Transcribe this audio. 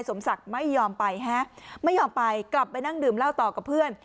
สมศักดิ์ไม่ยอมไปฮะไม่ยอมไปกลับไปนั่งดื่มเหล้าต่อกับเพื่อน